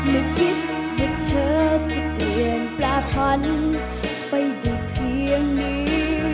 ไม่คิดว่าเธอจะเปลี่ยนปลาพันธุ์ไปได้เพียงนี้